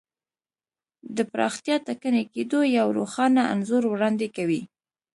د پراختیا ټکني کېدو یو روښانه انځور وړاندې کوي.